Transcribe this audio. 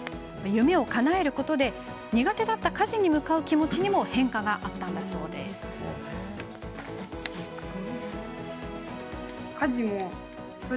夢をかなえることで、苦手だった家事に向かう気持ちにも変化があったんだそうです。